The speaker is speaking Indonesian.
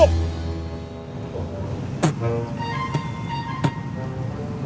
kalau mau masak